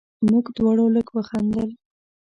موږ دواړو لږ وخندل.